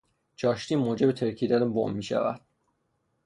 چاشنی موجب ترکیدن بمب میشود.